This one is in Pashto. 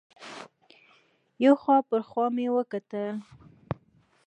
یو خوا بل خوا مې وکتل.